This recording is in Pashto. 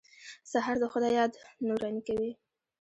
سهار د خدای یاد نوراني کوي.